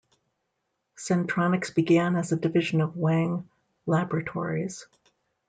Centronics began as a division of Wang Laboratories.